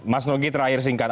mas nogi terakhir singkat